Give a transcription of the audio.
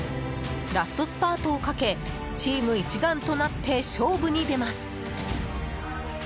ラストスパートをかけチーム一丸となって勝負に出ます。